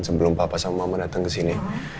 sebelum papa sama mama datang ke sini